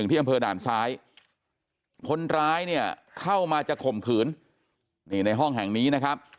ที่อำเภอด่านซ้ายคนร้ายเนี่ยเข้ามาจะข่มขืนนี่ในห้องแห่งนี้นะครับ